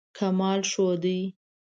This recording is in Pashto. کمال ښودی.